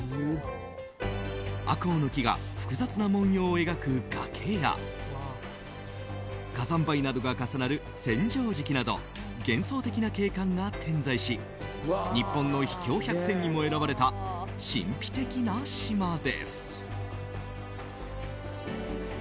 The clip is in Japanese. アコウの木が複雑な文様を描く崖や火山灰などが重なる千畳敷など幻想的な景観が点在し日本の秘境百選にも選ばれた神秘的な島です。